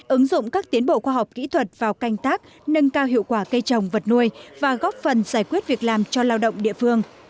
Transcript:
ứng dụng các tiến bộ khoa học kỹ thuật vào canh tác nâng cao hiệu quả cây trồng vật nuôi và góp phần giải quyết việc làm cho lao động địa phương